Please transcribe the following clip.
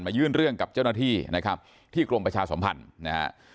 ยื่นเรื่องกับเจ้าหน้าที่นะครับที่กรมประชาสมพันธ์นะฮะ